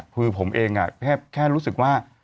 คือผมเองแค่รู้สึกว่า